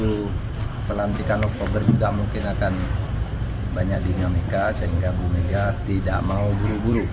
dan sesudah itu menuju pelantikan lokober juga mungkin akan banyak dinamika sehingga bumega tidak mau buru buru